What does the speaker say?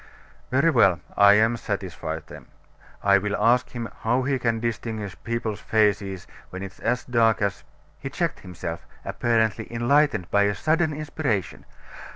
"Very well. I am satisfied then. I will ask him how he can distinguish people's faces when it is as dark as " He checked himself, apparently enlightened by a sudden inspiration.